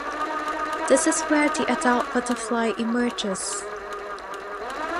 This is where the adult butterfly emerges.